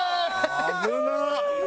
危なっ！